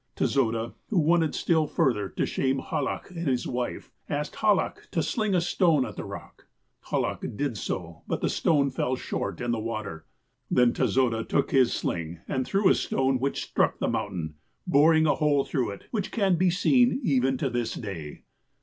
Tezoda, who wanted still further to ' shame ' Hallach and his wife, asked Hallach to sling a stone at the rock. Hallach did so, but the stone fell short in the water. Then Tezoda took his sling, and threw a stone, which struck the moun tain, boring a hole through it, which can be seen even to this day.